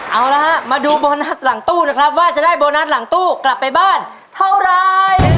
เอาละฮะมาดูโบนัสหลังตู้นะครับว่าจะได้โบนัสหลังตู้กลับไปบ้านเท่าไร